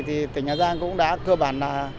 thì tỉnh hà giang cũng đã cơ bản là